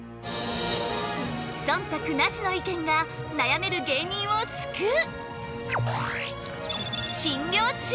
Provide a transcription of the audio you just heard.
そんたくなしの意見が悩める芸人を救う！